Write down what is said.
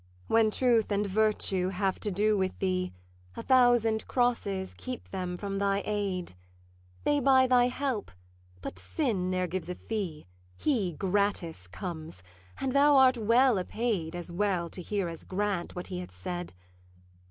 'When Truth and Virtue have to do with thee, A thousand crosses keep them from thy aid: They buy thy help; but Sin ne'er gives a fee, He gratis comes; and thou art well appaid As well to hear as grant what he hath said.